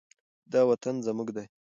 دا وطن زموږ دی.